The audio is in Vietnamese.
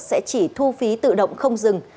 sẽ chỉ thu phí tự động không dừng